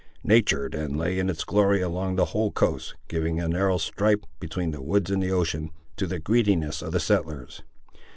Natur' then lay in its glory along the whole coast, giving a narrow stripe, between the woods and the ocean, to the greediness of the settlers.